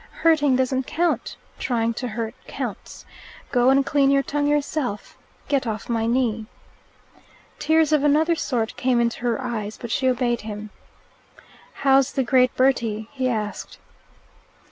"Hurting doesn't count. Trying to hurt counts. Go and clean your tongue yourself. Get off my knee." Tears of another sort came into her eyes, but she obeyed him. "How's the great Bertie?" he asked.